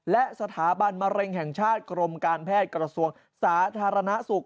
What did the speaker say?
และสถาบันมะเร็งแห่งชาติกรมการแพทย์กระทรวงสาธารณสุข